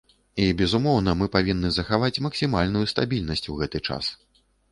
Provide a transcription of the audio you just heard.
І безумоўна, мы павінны захаваць максімальную стабільнасць у гэты час.